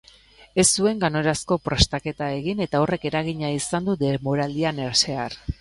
Ez zuen ganorazko prestaketa egin eta horrek eragina izan du denboraldian zehar.